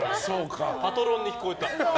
パトロンに聞こえた。